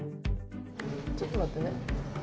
ちょっと待ってね。